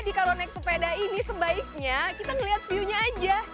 jadi kalau naik sepeda ini sebaiknya kita ngelihat view nya aja